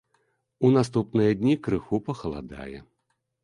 У наступныя дні крыху пахаладае.